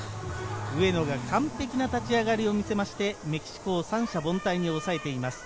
上野が完璧な立ち上がりを見せてメキシコを三者凡退に抑えています。